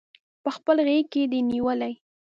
پخپل غیږ کې دی نیولي